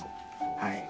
はい。